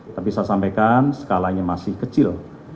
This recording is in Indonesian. tapi saya sampaikan skalanya masih kecil